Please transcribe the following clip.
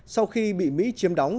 sau khi bị mỹ chiếm đóng